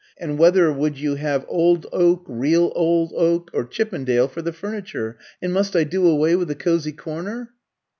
And whether would you have old oak, real old oak, or Chippendale, for the furniture? and must I do away with the cosy corner?"